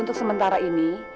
untuk sementara ini